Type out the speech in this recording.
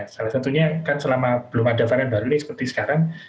salah satunya kan selama belum ada varian baru ini seperti sekarang